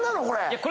これ。